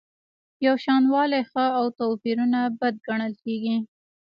یوشانوالی ښه او توپیرونه بد ګڼل کیږي.